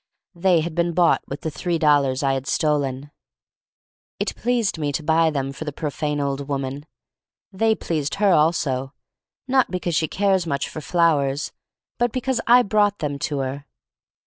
They had been bought with the three dollars I had stolen. It pleased me to buy them for the profane old woman. They pleased her also — not because she cares much for flowers, but because I brought them to her.